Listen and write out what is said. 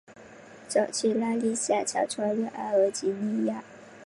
早期拉力赛常穿越阿尔及利亚。